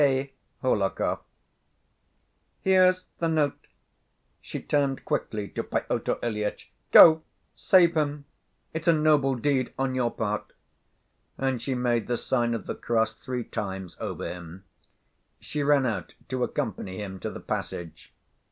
K. HOHLAKOV. "Here's the note!" she turned quickly to Pyotr Ilyitch. "Go, save him. It's a noble deed on your part!" And she made the sign of the cross three times over him. She ran out to accompany him to the passage.